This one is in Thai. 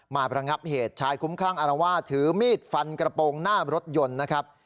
มาประงับเหตุชายคุ้มคลั่งอารวาสถือมีดฟันกระโปรงหน้ารถยนต์นะครับ